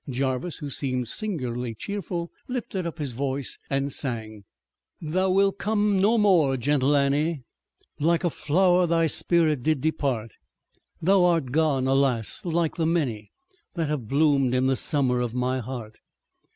Jarvis, who seemed singularly cheerful, lifted up his voice and sang: Thou wilt come no more, gentle Annie, Like a flower, thy spirit did depart, Thou art gone, alas! like the many That have bloomed in the summer of my heart.